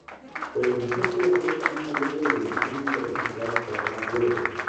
رئیس جمهور خپلو عسکرو ته امر وکړ؛ د دښمن د اکمالاتو کاروان ودروئ!